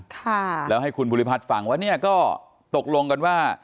ค่ะแล้วให้คุณภูริพัฒน์ฟังว่าเนี่ยก็ตกลงกันว่า